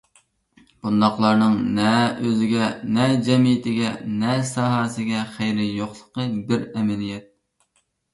بۇنداقلارنىڭ نە ئۆزىگە، نە جەمئىيىتىگە، نە ساھەسىگە خەيرى يوقلۇقى بىر ئەمەلىيەت.